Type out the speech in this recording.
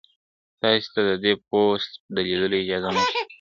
تاسي ته د دې پوسټ د لیدو اجازه نشته.